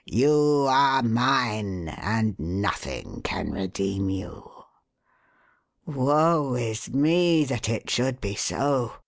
You are mine, and nothing can redeem you!" "Woe is me that it should be so!"